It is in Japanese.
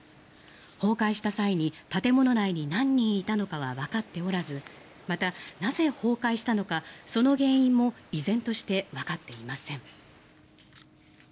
崩壊した際に建物内に何人いたのかはわかっておらずまた、なぜ崩壊したのかその原因も依然としてわかっていません。